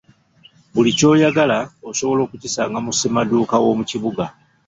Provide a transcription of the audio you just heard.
Buli ky’oyagala osobola okukisanga mu ssemaduuka w’omu kibuga.